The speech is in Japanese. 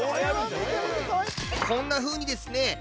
こんなふうにですねかわいい。